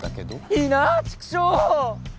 いいなチクショー！